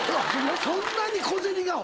そんなに小銭が。